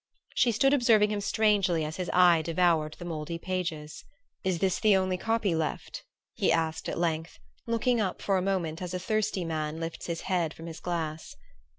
She stood observing him strangely as his eye devoured the mouldy pages. "Is this the only copy left?" he asked at length, looking up for a moment as a thirsty man lifts his head from his glass.